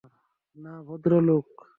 না, ভদ্রলোক।